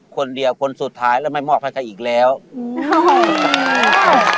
คนเดียวคนสุดท้ายแล้วไม่มอบให้ใครอีกแล้วอืม